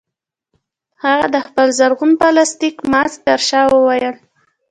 هغه د خپل زرغون پلاستيکي ماسک ترشا وویل